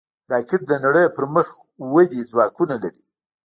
راکټ د نړۍ مخ پر ودې ځواکونه لري